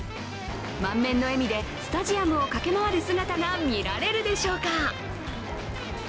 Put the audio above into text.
満面の笑みでスタジアムを駆け回る姿が見られるでしょうか。